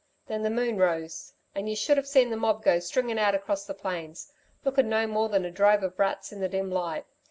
Then the moon rose, and you should've seen the mob go stringin' out across the plains lookin' no more than a drove of rats in the dim light.